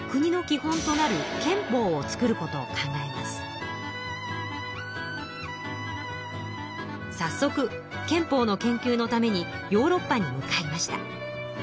さっそく憲法の研究のためにヨーロッパに向かいました。